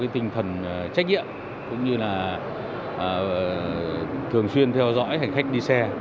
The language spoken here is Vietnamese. trách nhiệm cũng như là thường xuyên theo dõi hành khách đi xe